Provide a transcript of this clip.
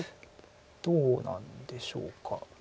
どうなんでしょうか。